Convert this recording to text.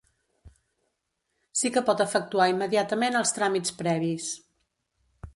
Sí que pot efectuar immediatament els tràmits previs.